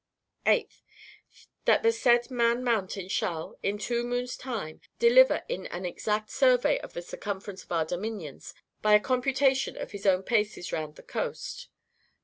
8th. That the said Man Mountain shall, in two moons' time, deliver in an exact survey of the circumference of our dominions, by a computation of his own paces round the coast.